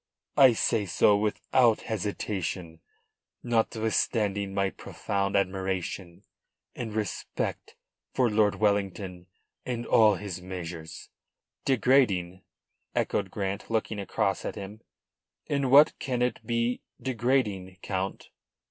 "I say so without hesitation, notwithstanding my profound admiration and respect for Lord Wellington and all his measures." "Degrading?" echoed Grant, looking across at him. "In what can it be degrading, Count?"